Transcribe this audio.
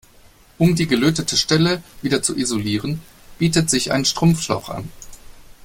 Um die gelötete Stelle wieder zu isolieren, bietet sich ein Schrumpfschlauch an.